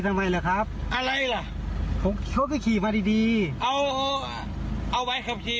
ทำไมเหรอครับอะไรเหรอเขาก็ขี่มาดีดีเอาเอาไว้ขับขี่